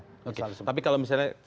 oke tapi kalau misalnya